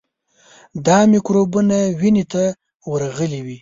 دا میکروبونه وینې ته ورغلي وي.